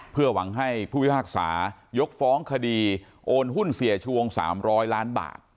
เพื่อหวังให้ผู้พิพากษายกฟ้องคดีโอนหุ้นเสียชวง๓๐๐ล้านบาท